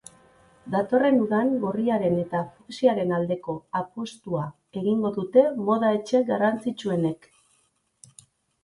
Datorren udan gorriaren eta fuksiaren aldeko apustua egingo dute moda etxe garrantzitsuenek.